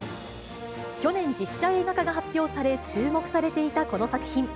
去年、実施、実写映画化が発表され、注目されていたこの作品。